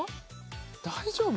大丈夫？